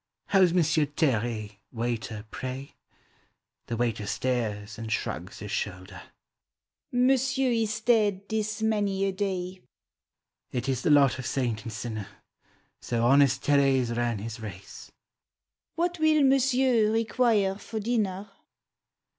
" How 's Monsieur Terre, waiter, pray? " The waiter stares and shrugs his shoulder; —" Monsieur is dead this many a day." "It is the lot of saint and sinner. So honest Terra's ran his race!" " What will Monsieur require for dinner?